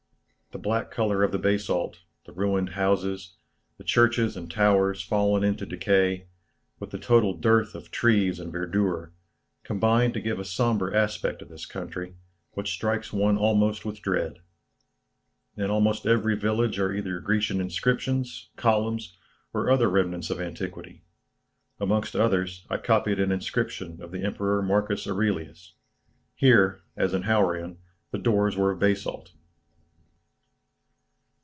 The black colour of the basalt, the ruined houses, the churches and towers fallen into decay, with the total dearth of trees and verdure, combine to give a sombre aspect to this country, which strikes one almost with dread. In almost every village are either Grecian inscriptions, columns, or other remnants of antiquity; amongst others I copied an inscription of the Emperor Marcus Aurelius. Here, as in Hauran, the doors were of basalt."